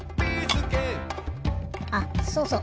あそうそう。